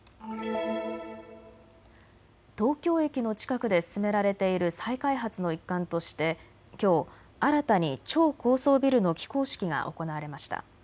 東京駅の近くで進められている再開発の一環としてきょう新たに超高層ビルの起工式が行われました。